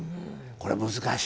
これ難しい。